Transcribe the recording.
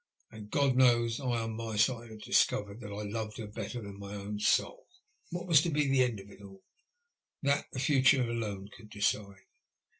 And, Ood knows, I on my side had dis covered that I loved her better than my own soul. What was to be the end of it all ? That the future alone could decide.